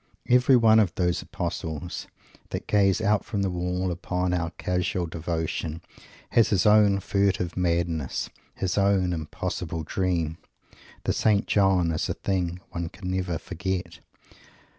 Every one of those Apostles that gaze out from the wall upon our casual devotion has his own furtive madness, his own impossible dream! The St. John is a thing one can never forget.